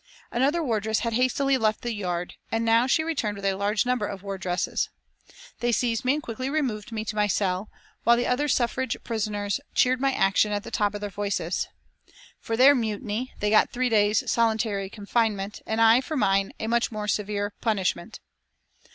Another wardress had hastily left the yard, and now she returned with a large number of wardresses. They seized me and quickly removed me to my cell, while the other suffrage prisoners cheered my action at the top of their voices. For their "mutiny" they got three days' solitary confinement, and I, for mine, a much more severe punishment.